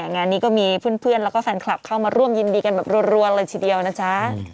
งานนี้ก็มีเพื่อนแล้วก็แฟนคลับเข้ามาร่วมยินดีกันแบบรัวเลยทีเดียวนะจ๊ะ